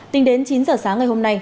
tính đến chín giờ sáng ngày hôm nay